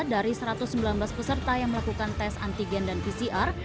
dari satu ratus sembilan belas peserta yang melakukan tes antigen dan pcr